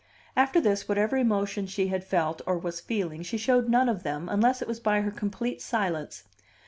After this, whatever emotions she had felt, or was feeling, she showed none of them, unless it was by her complete silence.